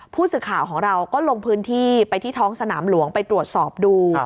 ผู้สื่อข่าวของเราก็ลงพื้นที่ไปที่ท้องสนามหลวงไปตรวจสอบดู